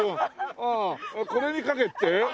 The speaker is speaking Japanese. ああこれに書けって？